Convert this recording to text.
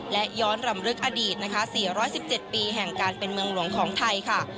และย้อนรำลึกอดีตนะคะ๔๑๗ปีแห่งการเป็นเมืองหลวงของไทยค่ะ